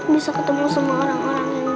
bisa ketemu sama orang orang yang